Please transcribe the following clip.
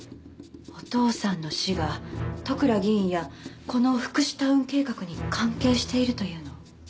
お父さんの死が利倉議員やこの福祉タウン計画に関係しているというの？